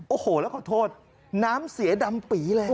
โอ้โหแล้วขอโทษน้ำเสียดำปีเลย